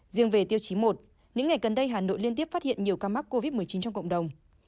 riêng về tiêu chí một những ngày gần đây hà nội liên tiếp phát hiện nhiều ca mắc covid một mươi chín trong cộng đồng